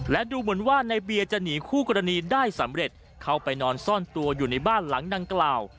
และดูเหมือนว่าในเบียร์จะหนีคู่กรณีได้สำเร็จเข้าไปนอนซ่อนตัวอยู่ในบ้านหลังดังกล่าว